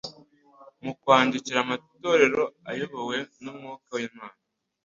Mu kwandikira amatorero ayobowe n'Umwuka w'Imana,